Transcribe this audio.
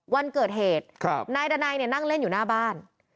วันเกิดเหตุนายดานัยเนี่ยนั่งเล่นอยู่หน้าบ้าน